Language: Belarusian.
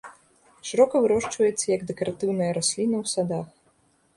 Шырока вырошчваецца як дэкаратыўная расліна ў садах.